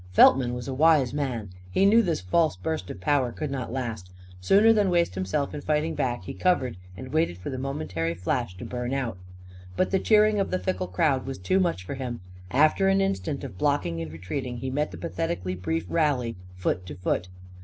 Feltman was a wise man. He knew this false burst of power could not last. Sooner than waste himself in fighting back he covered and waited for the momentary flash to burn out. But the cheering of the fickle crowd was too much for him. And after an instant of blocking and retreating he met the pathetically brief rally, foot to foot.